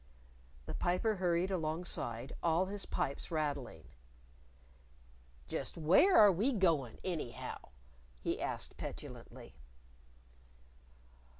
The Piper hurried alongside, all his pipes rattling. "Just where are we goin', anyhow?" he asked petulantly.